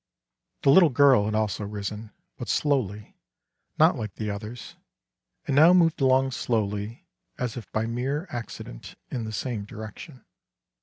The little girl had also risen, but slowly, not like the others, and now moved along slowly, as if by mere accident, in the same direction.